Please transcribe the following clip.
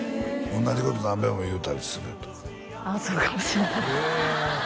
同じこと何べんも言うたりするよとああそうかもしれないへえ